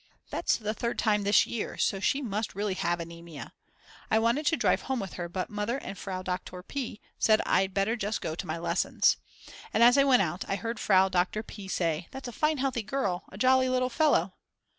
That's the third time this year, so she must really have anemia. I wanted to drive home with her, but Mother and Frau Dr. P. said I'd better just go to my lessons. And as I went out I heard Frau Dr. P. say: "That's a fine healthy girl, a jolly little fellow."